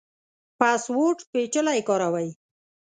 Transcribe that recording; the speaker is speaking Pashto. پاسورډ پیچلی کاروئ؟